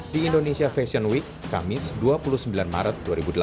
di indonesia fashion week kamis dua puluh sembilan maret dua ribu delapan belas